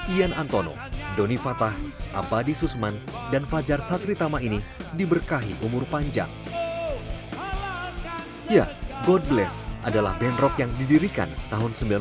ya god bless adalah band rock yang didirikan tahun seribu sembilan ratus tujuh puluh tiga silam